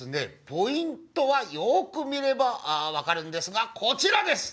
ポイントはよく見ればわかるんですがこちらです！